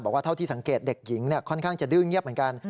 เท่าที่สังเกตเด็กหญิงค่อนข้างจะดื้อเงียบเหมือนกัน